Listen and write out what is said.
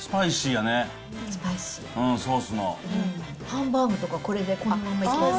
ハンバーグとかこれでこのままいける。